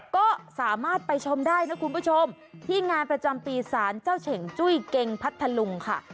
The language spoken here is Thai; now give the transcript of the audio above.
ก็สามารถไปชมได้นะคุณผู้ชมที่งานประจำปีศาลเจ้าเฉ่งจุ้ยเกงพัทธลุงค่ะ